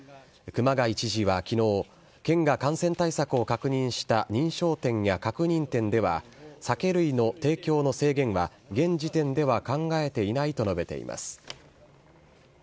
熊谷知事はきのう、県が感染対策を確認した認証店や確認店では、酒類の提供の制限は現時点では考えていないと述べています。